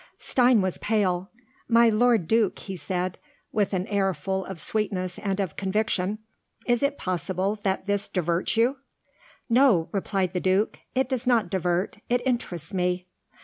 Stein was pale. "My lord Duke," he said, with an air full of sweetness and of conviction, "is it possible that this diverts you?" "No," replied the Duke; "it does not divert, it interests me."